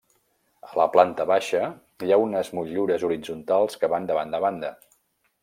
A la planta baixa hi ha unes motllures horitzontals que van de banda a banda.